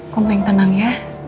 kamu yang tenang ya